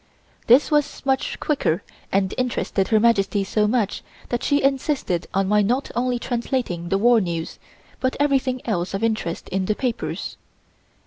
This was much quicker and interested Her Majesty so much that she insisted on my not only translating the war news, but everything else of interest in the papers.